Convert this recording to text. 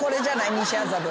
西麻布。